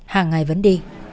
hàng ngày vẫn đi